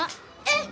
えっ？